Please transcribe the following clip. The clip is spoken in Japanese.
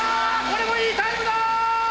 これもいいタイムだ！